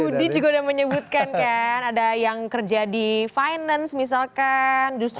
budi juga udah menyebutkan kan ada yang kerja di finance misalkan justru